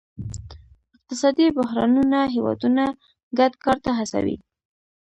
اقتصادي بحرانونه هیوادونه ګډ کار ته هڅوي